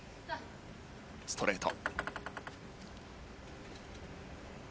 ストレート。